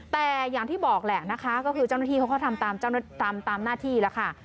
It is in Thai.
แต่อย่างที่บอกแหละนะคะก็คือเจ้าหน้าที่เขาก็ทำตามหน้าที่แล้วค่ะ